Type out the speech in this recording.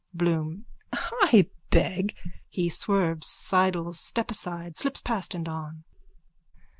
_) BLOOM: I beg. (_He swerves, sidles, stepaside, slips past and on.